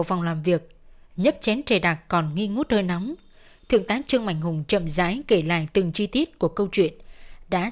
chúng tôi đến cảm ơn thượng tá trương mạnh hùng phó trưởng công an huyện mường khương công an tỉnh lào cai người đã trực tiếp tham gia chuyên án